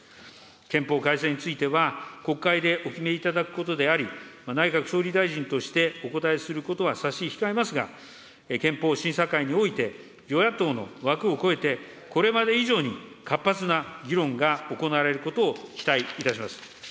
憲法改正については、国会でお決めいただくことであり、内閣総理大臣としてお答えすることは差し控えますが、憲法審査会において、与野党の枠を超えて、これまで以上に活発な議論が行われることを期待いたします。